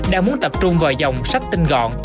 đang muốn tập trung vào dòng sách tin gọn